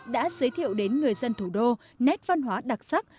đã giới thiệu đến người dân thủ đô nét văn hóa đặc sắc